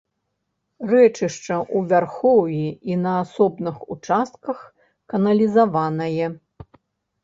Рэчышча ў вярхоўі і на асобных участках каналізаванае.